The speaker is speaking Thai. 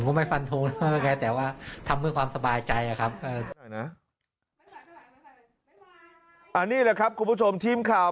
อันนี้แหละครับคุณผู้ชมทีมข่าว